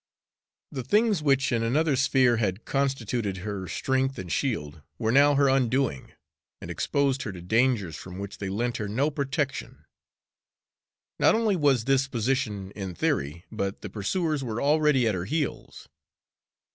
The things which in another sphere had constituted her strength and shield were now her undoing, and exposed her to dangers from which they lent her no protection. Not only was this her position in theory, but the pursuers were already at her heels.